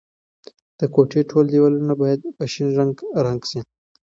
د کوټې ټول دیوالونه باید په شین رنګ رنګ شي.